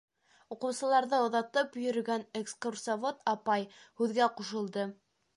Уҡыусыларҙы оҙатып йөрөгән экскурсовод апай һүҙгә ҡушылды: